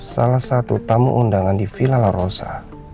salah satu tamu undangan di villa la rosa